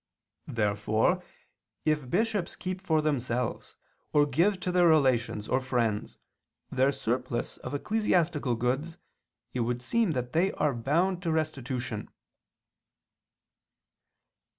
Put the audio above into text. Therefore if bishops keep for themselves, or give to their relations or friends, their surplus of ecclesiastical goods, it would seem that they are bound to restitution.